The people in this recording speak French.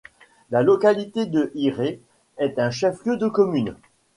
La localité de Hiré est un chef-lieu de commune.